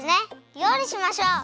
りょうりしましょう！